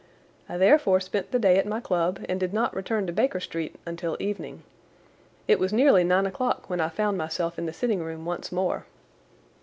I therefore spent the day at my club and did not return to Baker Street until evening. It was nearly nine o'clock when I found myself in the sitting room once more.